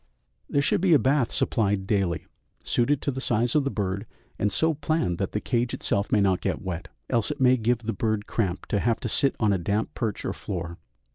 There should be a bath supplied daily, suited to the size of the bird, and so planned that the cage itself may not get wet, else it may give the bird cramp to have to sit on a damp perch or floor.